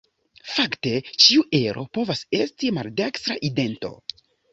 Fakte, ĉiu ero povas esti maldekstra idento.